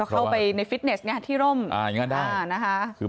เข้าไปฟิตเนสที่ร่มงั้นได้